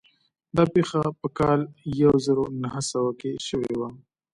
دا پېښه په کال يو زر و نهه سوه کې شوې وه.